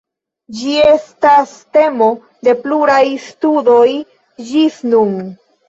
Ĝi estas temo de pluraj studoj ĝis nun.